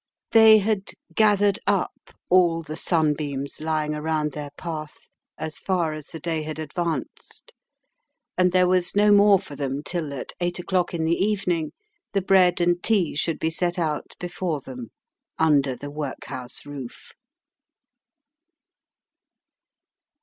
They had "gathered up all the sunbeams lying around their path" as far as the day had advanced, and there was no more for them till, at eight o'clock in the evening, the bread and tea should be set out before them under the workhouse roof.